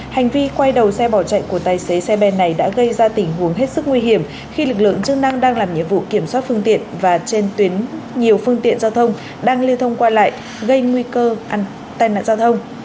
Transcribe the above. hành vi quay đầu xe bỏ chạy của tài xế xe ben này đã gây ra tình huống hết sức nguy hiểm khi lực lượng chức năng đang làm nhiệm vụ kiểm soát phương tiện và trên tuyến nhiều phương tiện giao thông đang lưu thông qua lại gây nguy cơ tai nạn giao thông